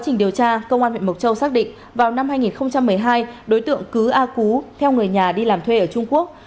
năm hai nghìn một mươi hai đối tượng cứ a cú theo người nhà đi làm thuê ở trung quốc